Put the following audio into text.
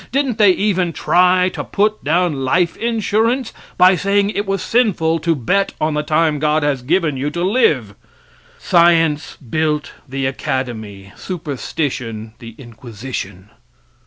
Didn't they even try to put down life insurance by saying it was sinful to bet on the time God has given you to live? Science built the Academy, superstition the Inquisition.